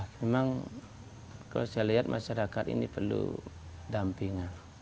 memang kalau saya lihat masyarakat ini perlu dampingan